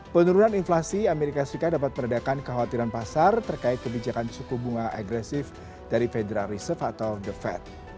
penurunan inflasi amerika serikat dapat meredakan kekhawatiran pasar terkait kebijakan suku bunga agresif dari federal reserve atau the fed